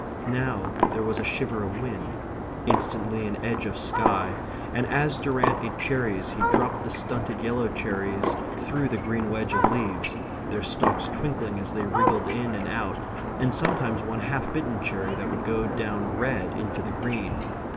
Now there was a shiver of wind instantly an edge of sky; and as Durrant ate cherries he dropped the stunted yellow cherries through the green wedge of leaves, their stalks twinkling as they wriggled in and out, and sometimes one half bitten cherry would go down red into the green.